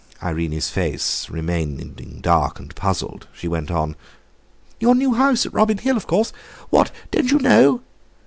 Irene's face remaining dark and puzzled, she went on: "Your new house at Robin Hill, of course. What? Don't you know?"